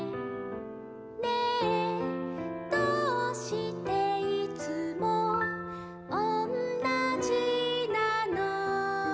「ねぇどうしていつもおんなじなの？」